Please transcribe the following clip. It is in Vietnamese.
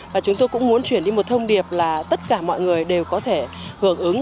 và chúng tôi cũng muốn chuyển đi một thông điệp là tất cả mọi người đều có thể hưởng ứng